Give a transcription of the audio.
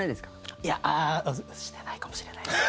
いや、ああしてないかもしれないですね。